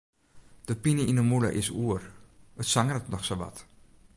De pine yn 'e mûle is oer, it sangeret noch sa wat.